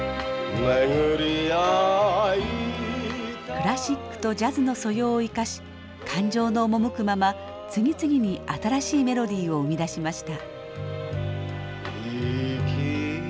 クラシックとジャズの素養を生かし感情の赴くまま次々に新しいメロディーを生み出しました。